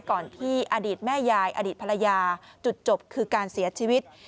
ก่อนที่อดีตแม่ยายอดีตภรรยาจุดจบคือการเสียชีวิต